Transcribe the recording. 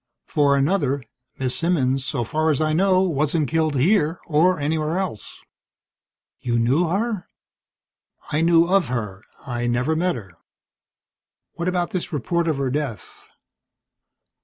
For another, Miss Simmons, so far as I know, wasn't killed here or anywhere else." "You knew her?" "I knew of her. I never met her." "What about this report of her death?"